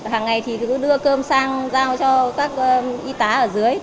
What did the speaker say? hàng ngày thì cứ đưa cơm sang giao cho các y tá ở dưới